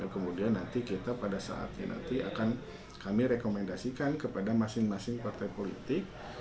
kemudian nanti kita pada saatnya nanti akan kami rekomendasikan kepada masing masing partai politik